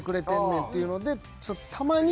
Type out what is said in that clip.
っていうので。